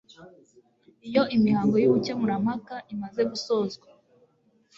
iyo imihango y ubukemurampaka imaze gusozwa